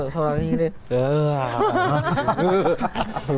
seorang ini wah